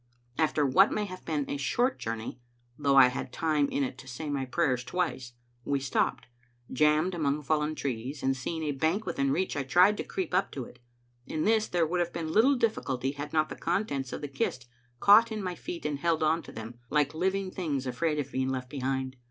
After what may have been but a short journey, though I had time in it to say my prayers twice, we stopped, jammed among fallen trees; and seeing a bank within reach, I tried to creep up it. In this there would have been little difficulty had not the contents of the kist caught in my feet and held on to them, like living things afraid of being left behind.